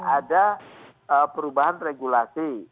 ada perubahan regulasi